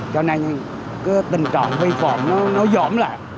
cho nên tình trạng vi phạm nó dỗn lại